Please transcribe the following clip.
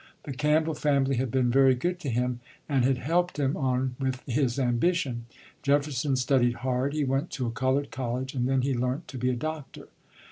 The Campbell family had been very good to him and had helped him on with his ambition. Jefferson studied hard, he went to a colored college, and then he learnt to be a doctor.